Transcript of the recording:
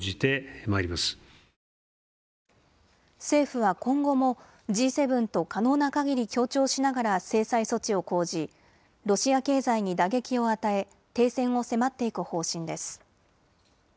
政府は今後もＧ７と可能なかぎり協調しながら制裁措置を講じロシア経済に打撃を与え停戦を迫っていく方針です。